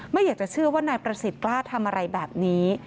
ไม่อยากจะเชื่อว่านายประสิทธิ์กล้าทำอะไรแบบนี้